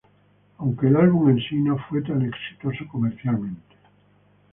Aunque, el álbum en si, no fue tan exitoso comercialmente.